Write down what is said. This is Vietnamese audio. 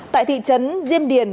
tại thị trấn diêm điền